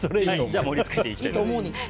盛り付けていきたいと思います。